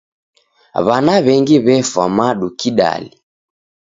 W'ana w'engi w'efwa madu kidali.